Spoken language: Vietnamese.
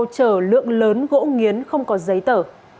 chở lượng lớn gỗ nghiến không có giấy tở